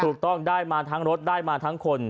ถูกต้องได้มาทั้งรถได้มาทั้งคน